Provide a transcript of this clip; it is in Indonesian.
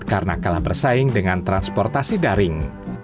karena kalah bersaing dengan transportasi daring